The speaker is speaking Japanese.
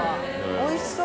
おいしそう！